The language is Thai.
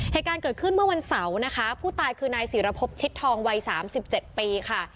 แห่งการเกิดขึ้นเมื่อวันเสาร์นะคะผู้ตายคือนายศิรพพชิดทองวัย๓๗ปีค่ะ